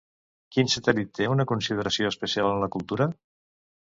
Quin satèl·lit té una consideració especial en la cultura?